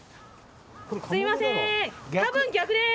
すみません、たぶん逆です。